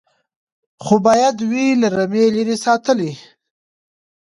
خو باید وي له رمې لیري ساتلی